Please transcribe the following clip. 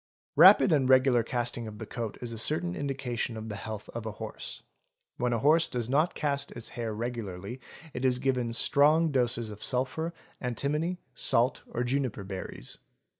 Rapid and regular casting of the coat is a certain indication of the health of a horse; when a horse does not cast its hair regularly, it is given strong doses of sulphur, antimony, salt, or juniper berries.